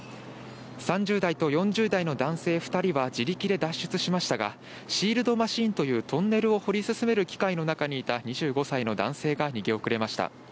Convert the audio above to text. ３０代と４０代の男性２人は自力で脱出しましたが、シールドマシンというトンネルを掘り進める機械の中にいた２５歳の男性が逃げ遅れました。